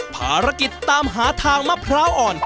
ภารกิจตามหาทางมะพร้าวอ่อน